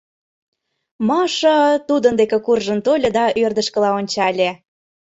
— Маша тудын деке куржын тольо да ӧрдыжкыла ончале.